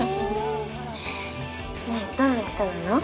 ねぇどんな人なの？